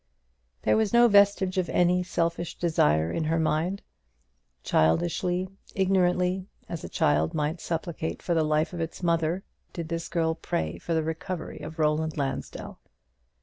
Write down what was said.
There was no vestige of any selfish desire in her mind. Childishly, ignorantly, as a child might supplicate for the life of its mother, did this girl pray for the recovery of Roland Lansdell.